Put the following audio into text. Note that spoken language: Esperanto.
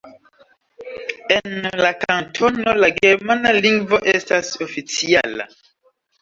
En la kantono, la germana lingvo estas oficiala.